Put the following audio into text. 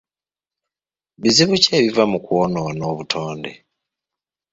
Bizibu ki ebiva mu kwonoona obutonde?